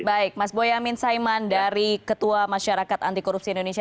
baik mas boyamin saiman dari ketua masyarakat antikorupsi